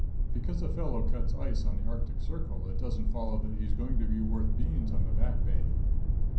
Because a fellow cuts ice on the Arctic Circle, it doesn't follow that he's going to be worth beans on the Back Bay.